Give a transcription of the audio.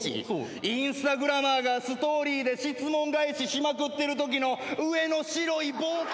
インスタグラマーがストーリーで質問返ししまくってるときの上の白い棒か！